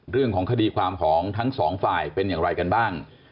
เรื่องของคดีความของทั้งสองฝ่ายเป็นอย่างไรกันบ้าง